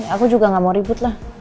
aku juga gak mau ribut lah